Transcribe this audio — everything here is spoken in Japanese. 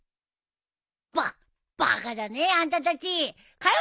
ババカだねあんたたちかよ